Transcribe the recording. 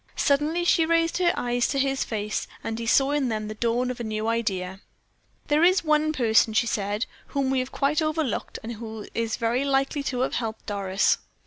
Suddenly she raised her eyes to his face, and he saw in them the dawn of a new idea. "There is one person," she said, "whom we have quite overlooked, and who is very likely to have helped Doris."